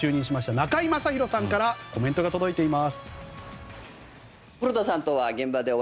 中居正広さんからコメントが届いています。